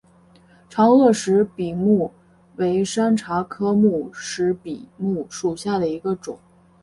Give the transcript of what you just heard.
长萼石笔木为山茶科石笔木属下的一个种。